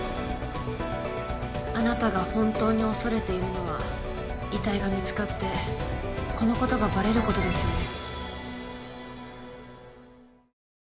あなたが本当に恐れているのは遺体が見つかってこのことがバレることですよね。